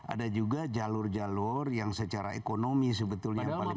ada juga jalur jalur yang secara ekonomi sebetulnya yang paling penting